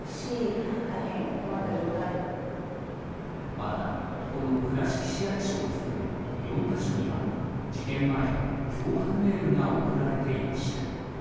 また、この倉敷市役所を含め４か所には事件前に脅迫メールが送られていました。